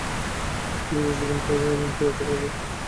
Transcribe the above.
নিজের জীবনে ফিরতে পারব!